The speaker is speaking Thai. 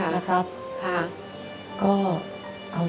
เป็นของชำ